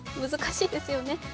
難しいですよね。